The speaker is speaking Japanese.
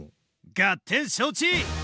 ガッテン承知！